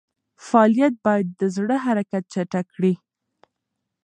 فعالیت باید د زړه حرکت چټک کړي.